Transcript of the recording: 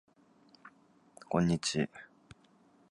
こんにち